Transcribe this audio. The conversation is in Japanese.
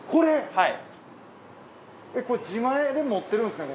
自前で持ってるんですね。